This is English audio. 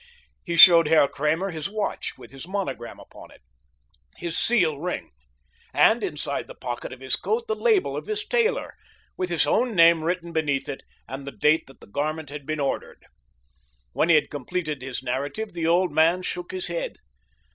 He showed Herr Kramer his watch with his monogram upon it, his seal ring, and inside the pocket of his coat the label of his tailor, with his own name written beneath it and the date that the garment had been ordered. When he had completed his narrative the old man shook his head.